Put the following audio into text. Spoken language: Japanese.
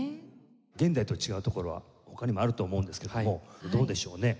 現代と違うところは他にもあると思うんですけどもどうでしょうね？